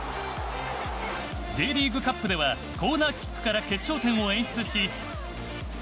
Ｊリーグカップではコーナーキックから決勝点を演出し。